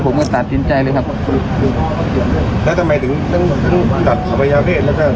ผมก็ตัดสินใจเลยครับแล้วทำไมถึงทั้งตัดอวัยเพศแล้วก็